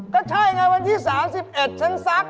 ก็ใช่ไงวันที่๓๑ฉันซัก